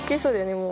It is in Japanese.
もう。